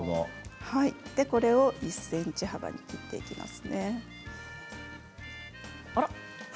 これを１ｃｍ幅に切っていきますね。